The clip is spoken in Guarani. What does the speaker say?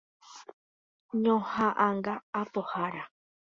Ñoha'ãnga apohára.